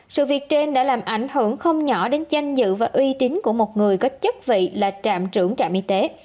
sự việc trên đã làm ảnh hưởng không nhỏ đến danh dự và uy tín của một người có chức vị là trạm trưởng trạm y tế